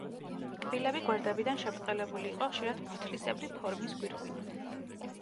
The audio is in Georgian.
კბილები გვერდებიდან შებრტყელებული იყო ხშირად ფოთლისებრი ფორმის გვირგვინით.